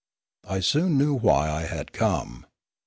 I soon knew why I had come.